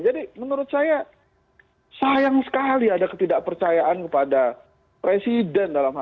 jadi menurut saya sayang sekali ada ketidakpercayaan kepada presiden